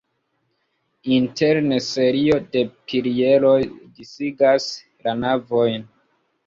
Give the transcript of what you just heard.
Interne serio de pilieroj disigas la navojn.